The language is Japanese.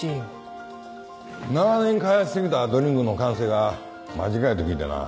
長年開発してきたドリンクの完成が間近やって聞いてな。